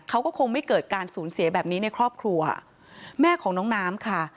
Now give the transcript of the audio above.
เขาก็คงไม่เกิดการสูญเสียแบบนี้ในครอบครัวแม่ของน้องน้ำค่ะ